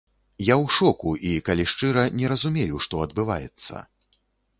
Я ў шоку і, калі шчыра, не разумею, што адбываецца.